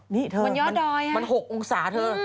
มันยอดดอยมัน๖องศาเธอ